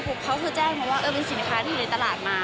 พวกเขาแจ้งว่าเป็นสินค้าที่อยู่ในตลาดมา